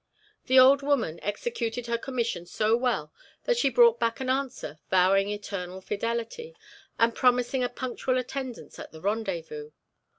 The old woman executed her commission so well that she brought back an answer vowing eternal fidelity, and promising a punctual attendance at the rendezvous.